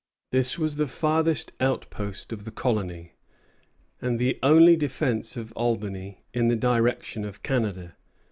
This was the farthest outpost of the colony, and the only defence of Albany in the direction of Canada.